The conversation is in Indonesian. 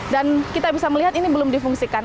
dan kita bisa melihat ini belum difungsikan